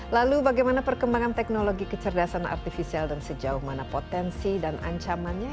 lalu bagaimana perkembangan teknologi kecerdasan artifisial dan sejauh mana potensi dan ancamannya